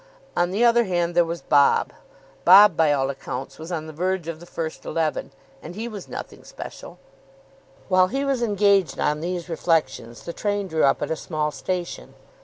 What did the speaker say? On the other hand, there was Bob. Bob, by all accounts, was on the verge of the first eleven, and he was nothing special. While he was engaged on these reflections, the train drew up at a small station.